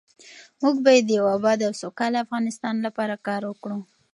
موږ باید د یو اباد او سوکاله افغانستان لپاره کار وکړو.